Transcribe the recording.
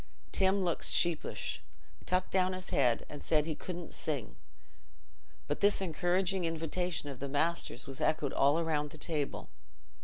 Tim looked sheepish, tucked down his head, and said he couldn't sing, but this encouraging invitation of the master's was echoed all round the table.